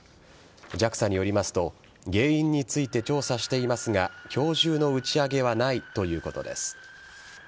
ＪＡＸＡによりますと原因について調査していますが今日中の打ち上げはないということです。